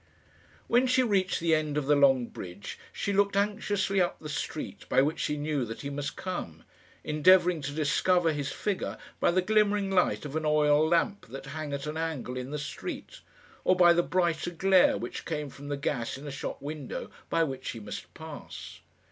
When she reached the end of the long bridge she looked anxiously up the street by which she knew that he must come, endeavouring to discover his figure by the glimmering light of an oil lamp that hung at an angle in the street, or by the brighter glare which came from the gas in a shop window by which he must pass.